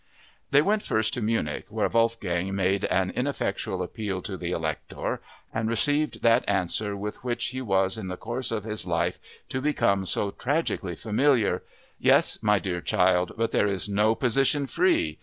They went first to Munich, where Wolfgang made an ineffectual appeal to the Elector and received that answer with which he was in the course of his life to become so tragically familiar: "Yes, my dear child, but there is no position free!